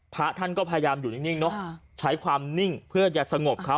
พระท่านก็พยายามอยู่นิ่งเนอะใช้ความนิ่งเพื่อจะสงบเขา